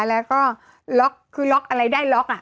แล้วก็ล็อกคือล็อกอะไรได้ล็อก